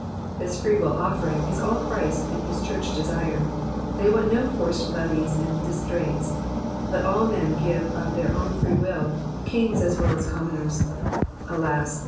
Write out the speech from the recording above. This free will offering is all Christ and his church desire ; they want no forced levies and distraints, let all men give of their own free will, kings as well as commoners ; alas